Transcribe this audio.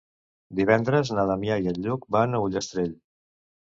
Divendres na Damià i en Lluc van a Ullastrell.